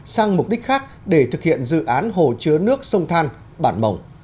sang mục đích khác để thực hiện dự án hồ chứa nước sông than bản mộng